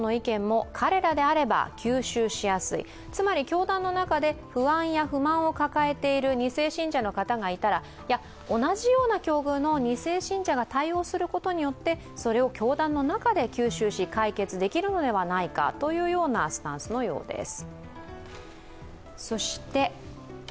教団の中で不安や不満を抱えている２世信者の方がいたら同じような境遇の２世信者が対応することによってそれを教団の中で吸収し、解決できるのではないかというスタンスのようです。